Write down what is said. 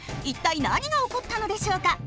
一体何が起こったのでしょうか？